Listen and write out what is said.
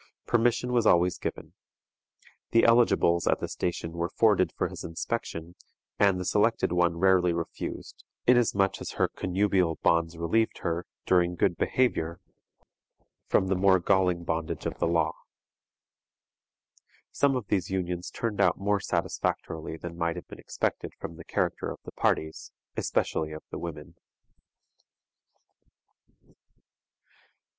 Permission was always given. The eligibles at the station were forwarded for his inspection, and the selected one rarely refused, inasmuch as her connubial bonds relieved her, during good behavior, from the more galling bondage of the law. Some of these unions turned out more satisfactorily than might have been expected from the character of the parties, especially of the women.